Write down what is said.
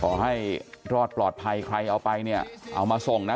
ขอให้รอดปลอดภัยใครเอาไปเนี่ยเอามาส่งนะ